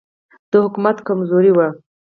د حکومت کمزوري وه.